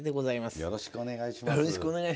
よろしくお願いします。